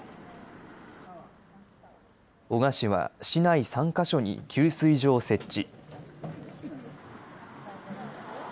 男鹿市は市内３か所に給水所を設置。